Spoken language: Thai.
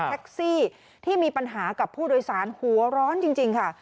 แท็กซี่ที่มีปัญหากับผู้โดยสารหัวร้อนจริงค่ะ